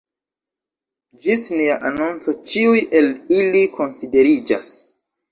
Ĝis nia anonco ĉiuj el ili konsideriĝas.